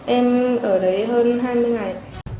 em ở đấy hơn hai mươi ngày